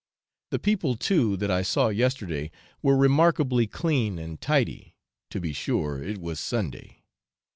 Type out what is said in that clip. The people, too, that I saw yesterday were remarkably clean and tidy; to be sure, it was Sunday.